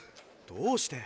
どうして？